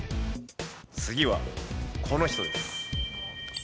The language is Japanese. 次はこの人です。